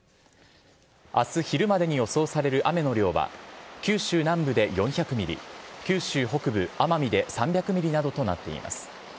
あす昼までに予想される雨の量は、九州南部で４００ミリ、九州北部、奄美で３００ミリなどとなっています。